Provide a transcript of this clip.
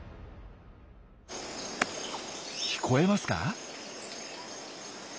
聞こえますか？